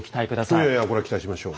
いやいやこれは期待しましょう。